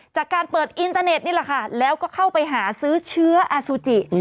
จากการเปิดอินเตอร์เน็ตนี่แหละค่ะแล้วก็เข้าไปหาซื้อเชื้ออสุจิ